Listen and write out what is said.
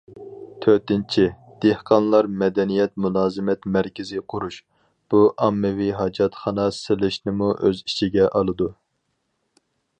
تۆتىنچى، دېھقانلار مەدەنىيەت مۇلازىمەت مەركىزى قۇرۇش، بۇ ئاممىۋى ھاجەتخانا سېلىشنىمۇ ئۆز ئىچىگە ئالىدۇ.